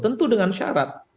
tentu dengan syarat